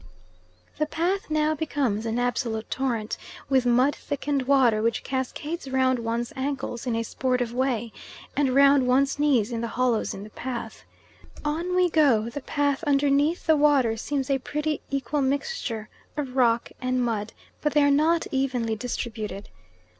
The path now becomes an absolute torrent, with mud thickened water, which cascades round one's ankles in a sportive way, and round one's knees in the hollows in the path. On we go, the path underneath the water seems a pretty equal mixture of rock and mud, but they are not evenly distributed.